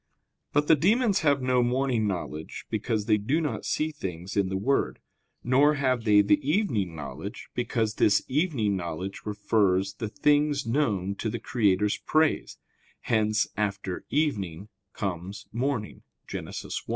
But the demons have no morning knowledge, because they do not see things in the Word; nor have they the evening knowledge, because this evening knowledge refers the things known to the Creator's praise (hence, after "evening" comes "morning" [Gen. 1]).